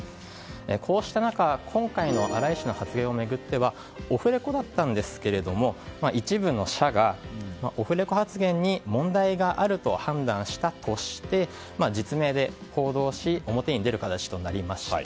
こうした中今回の荒井氏の発言を巡ってはオフレコだったんですが一部の社がオフレコ発言に問題があると判断したとして実名で報道し表に出る形となりました。